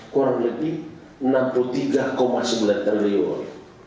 kurang lebih enam puluh tiga sembilan triliun